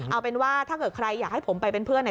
เอาเป็นว่าถ้าเกิดใครอยากให้ผมไปเป็นเพื่อนเนี่ย